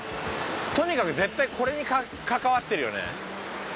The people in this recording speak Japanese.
とにかく絶対これに関わってるよね。